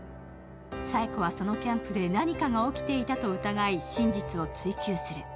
サエコはそのキャンプで何かが起きていたと疑い、真実を追求する。